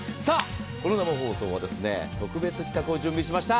この生放送は特別企画を準備しました。